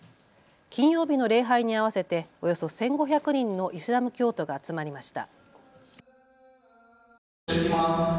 金曜日の礼拝に合わせておよそ１５００人のイスラム教徒が集まりました。